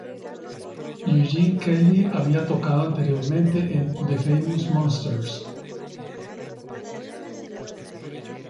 Eugene Kelly había tocado anteriormente en The Famous Monsters.